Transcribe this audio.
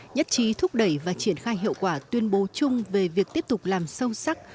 nhất trí thúc đẩy và triển khai hiệu quả tuyên bố chung về việc tiếp tục làm sâu sắc